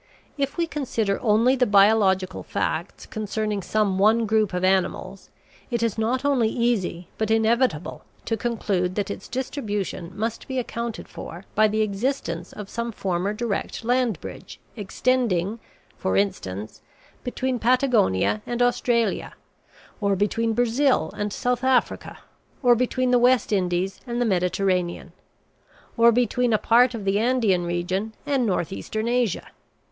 If we consider only the biological facts concerning some one group of animals it is not only easy but inevitable to conclude that its distribution must be accounted for by the existence of some former direct land bridge extending, for instance, between Patagonia and Australia, or between Brazil and South Africa, or between the West Indies and the Mediterranean, or between a part of the Andean region and northeastern Asia.